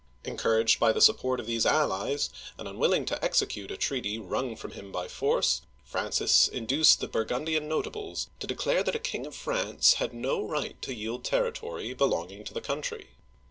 Encouraged by the support of these allies, and unwilling to execute a treaty wrung from him by force, Francis in duced the Burgundian notables to declare that a King of France had no right to yield territory belonging to the country.